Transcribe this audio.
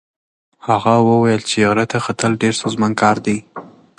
هغه وویل چې غره ته ختل ډېر ستونزمن کار دی.